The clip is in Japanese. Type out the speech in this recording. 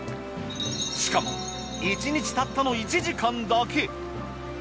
しかも１日たったの１時間だけ。